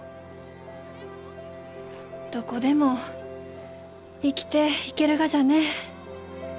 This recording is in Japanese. どこでも生きていけるがじゃね。